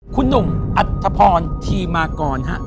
คุณหนุ่มอัธพรฯที่มาก่อนหะ